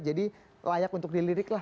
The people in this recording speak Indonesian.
jadi layak untuk dilirik lah